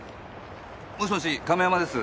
もしもし亀山です。